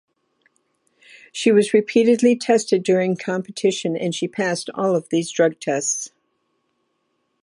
She was repeatedly tested during competition, and she passed all of these drug tests.